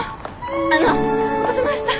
あの落としました。